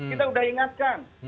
kita udah ingatkan